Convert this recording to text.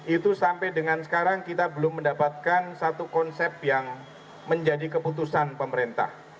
itu sampai dengan sekarang kita belum mendapatkan satu konsep yang menjadi keputusan pemerintah